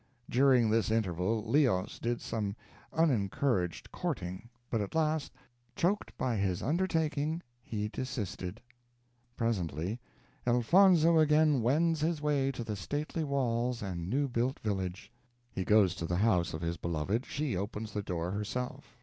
During this interval Leos did some unencouraged courting, but at last, "choked by his undertaking," he desisted. Presently "Elfonzo again wends his way to the stately walls and new built village." He goes to the house of his beloved; she opens the door herself.